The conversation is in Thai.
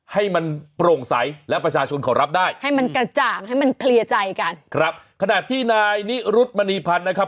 ให้มันโปร่งใสและประชาชนเขารับได้ให้มันกระจ่างให้มันเคลียร์ใจกันครับขณะที่นายนิรุธมณีพันธ์นะครับ